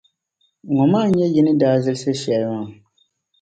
Ŋɔ maa n-nyɛ yi ni daa zilsiri shεli maa.